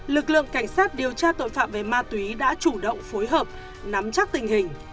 lực lượng cảnh sát điều tra tội phạm về ma túy đã chủ động phối hợp nắm chắc tình hình